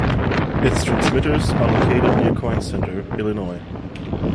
Its transmitters are located near Coyne Center, Illinois.